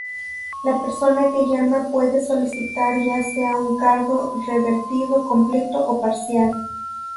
La persona que llama puede solicitar ya sea con cargo revertido completo o parcial.